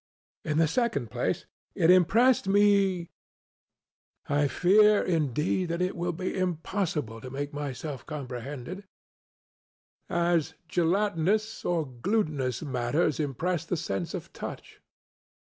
In the second place, it impressed me (I fear, indeed, that it will be impossible to make myself comprehended) as gelatinous or glutinous matters impress the sense of touch.